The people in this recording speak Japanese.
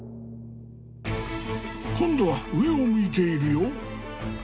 今度は上を向いているよ。